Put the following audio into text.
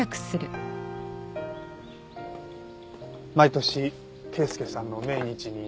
毎年慶介さんの命日に。